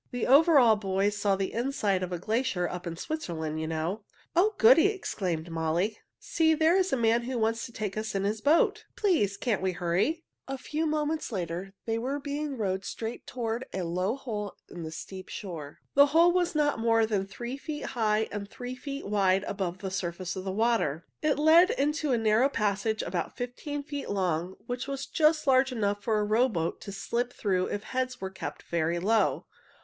The Overall Boys saw the inside of a glacier up in Switzerland, you know." "Oh, goody!" exclaimed Molly. "See, there is a man who wants to take us in his boat. Please, can't we hurry?" [Illustration: They had to keep their heads low to slip through the opening] A few moments later they were being rowed straight toward a low hole in the steep shore. The hole was not more than three feet high and three feet wide above the surface of the water. It led into a narrow passage about fifteen feet long, which was just large enough for a rowboat to slip through if heads were kept very low.